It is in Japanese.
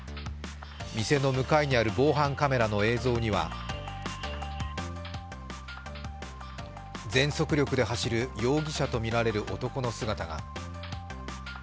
店の向かいにある防犯カメラの映像には全速力で走る容疑者とみられる男の姿が。